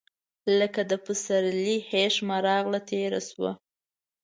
لکه د پسرلي هیښمه راغله، تیره سوه